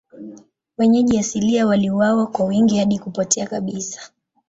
Wenyeji asilia waliuawa kwa wingi hadi kupotea kabisa.